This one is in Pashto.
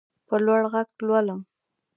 په لوړ غږ لولم.